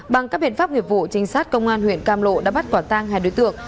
bằng các biện pháp nghiệp vụ trinh sát công an huyện cam lộ đã bắt quả tang hai đối tượng